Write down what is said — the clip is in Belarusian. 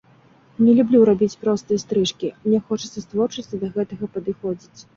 Не люблю рабіць простыя стрыжкі, мне хочацца з творчасцю да гэтага падыходзіць.